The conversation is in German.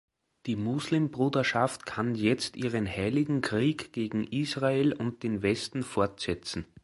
Die Muslimbruderschaft kann jetzt ihren heiligen Krieg gegen Israel und den Westen fortsetzen.